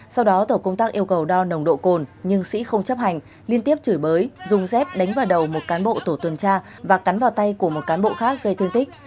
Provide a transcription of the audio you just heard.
sau đó tổ công tác yêu cầu đo nồng độ cồn nhưng sĩ không chấp hành liên tiếp chửi bới dùng dép đánh vào đầu một cán bộ tổ tuần tra và cắn vào tay của một cán bộ khác gây thương tích